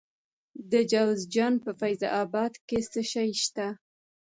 د جوزجان په فیض اباد کې څه شی شته؟